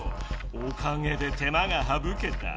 おかげで手間がはぶけた。